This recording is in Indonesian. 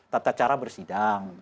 tata cara bersidang